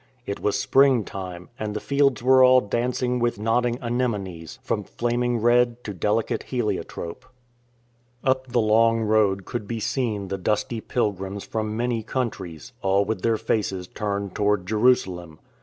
It was spring time, and the fields were all dancing with nodding anemones, from flaming red to delicate helio trope. Up the long road could be seen the dusty pilgrims from many countries, all with their faces turned toward Jerusalem.